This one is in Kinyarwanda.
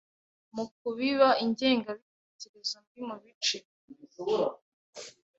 mu kubibe ingengebitekerezo mbi mu bice